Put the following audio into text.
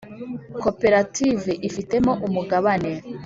Koperative ifitemo umugabane